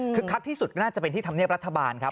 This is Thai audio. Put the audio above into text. คักที่สุดก็น่าจะเป็นที่ธรรมเนียบรัฐบาลครับ